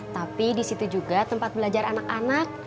tapi disitu juga tempat belajar anak anak